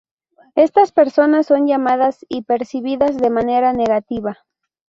Estas personas son llamadas y percibidas de manera negativa.